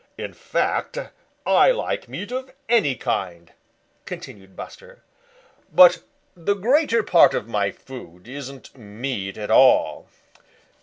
"In fact I like meat of any kind," continued Buster. "But the greater part of my food isn't meat at all.